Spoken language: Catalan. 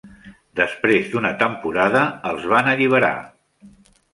Després d'una temporada, els A el van alliberar.